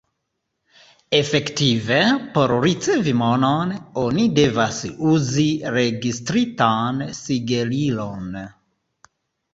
Efektive, por ricevi monon, oni devas uzi registritan sigelilon.